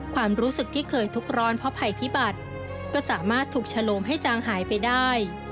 ความรู้สึกที่เคยทุกข์ร้อนเพราะภัยพิบัติก็สามารถถูกฉลมให้จางหายไปได้